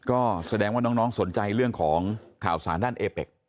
ก็แสดงว่าน้องสนใจเรื่องของข่าวสารด้านเอเป็ก